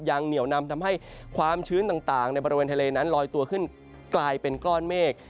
เหนียวนำทำให้ความชื้นต่างในบริเวณทะเลนั้นลอยตัวขึ้นกลายเป็นก้อนเมฆ